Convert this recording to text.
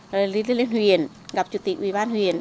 rồi đi lên huyện gặp chủ tịch ủy ban huyện